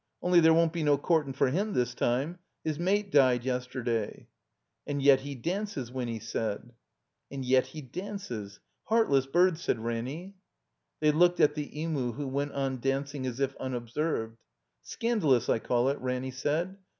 Only there won't be no courtin' for him this time. 'Is mate died yesterday." j "And yet he dances," Winny said. "And yet he dances. Heartless bird!" said Ranny. They looked at the Emu, who went on dancing as if tmobserved. .. "Scandalous, I call it," Ranny said.